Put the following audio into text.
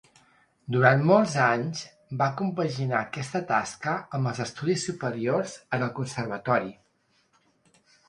Durant molts anys, va compaginar aquesta tasca amb els estudis superiors en el conservatori.